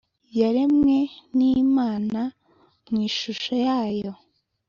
yaremwe n' imana mu ishusho yayo.